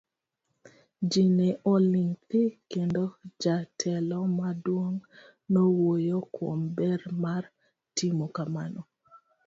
Ji ne oling' thi, kendo jatelo maduong' nowuoyo kuom ber mar timo kamano.